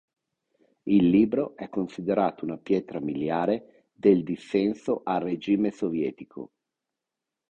Il libro è considerato una pietra miliare del dissenso al regime sovietico.